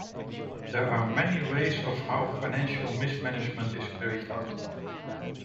There are many ways of how financial mismanagement is carried out.